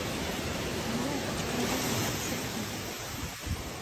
Эреак кычкыралме йӱк шокта: